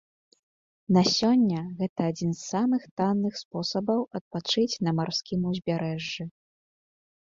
На сёння гэта адзін з самых танных спосабаў адпачыць на марскім узбярэжжы.